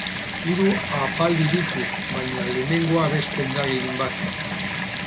Hiru ahapaldi ditu, baina lehenengoa abesten da gehienbat.